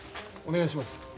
お願いします。